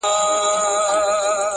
دا د نحوي قصیدې د چا په ښه دي،